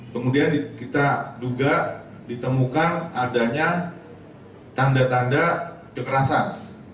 kemudian kita duga ditemukan adanya tanda tanda kekerasan